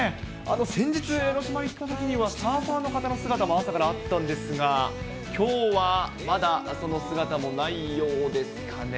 先日、江の島行ったときには、サーファーの方の姿も朝からあったんですが、きょうはまだ、その姿もないようですかね。